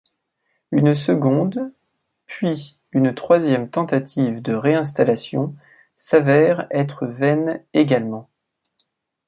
Une seconde, puis une troisième tentative de réinstallation s'avèrent être vaines également.